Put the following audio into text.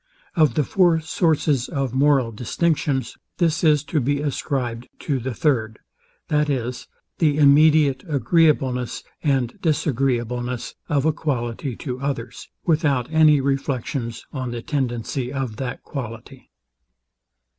Of the four sources of moral distinctions, this is to be ascribed to the third; viz, the immediate agreeableness and disagreeableness of a quality to others, without any reflections on the tendency of that quality.